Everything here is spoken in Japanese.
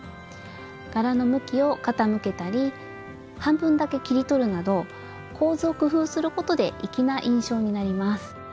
柄の向きを傾けたり半分だけ切り取るなど構図を工夫することで粋な印象になります。